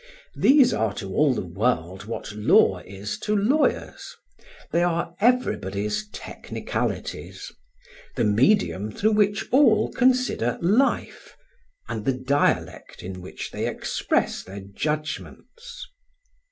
These are to all the world what law is to lawyers; they are everybody's technicalities; the medium through which all consider life, and the dialect in which they express their judgments.